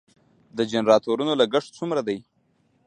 د جنراتورونو لګښت څومره دی؟